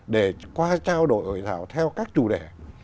để qua trao đổi hội thảo theo các chủ đề